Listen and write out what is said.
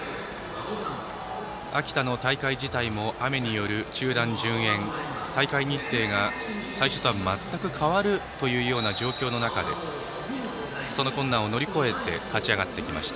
秋田の大会自体も雨による中断・順延大会日程が最初とはまったく変わるという状況の中でその困難を乗り越えて勝ち上がってきました。